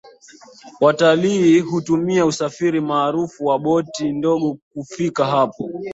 Watalii hutumia usafiri maarufu wa boti ndogo kufika hapo